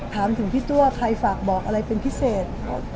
ถามถึงพี่ตัวใครฝากบอกอะไรเป็นพิเศษ